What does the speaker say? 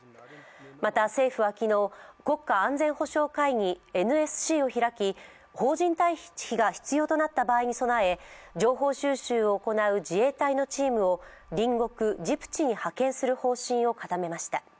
また、政府は昨日、国家安全保障会議＝ＮＳＣを開き、邦人退避が必要となった場合に備え情報収集を行う自衛隊のチームを隣国ジブチに派遣する方針を固めました。